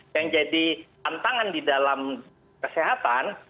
yang jadi tantangan di dalam kesehatan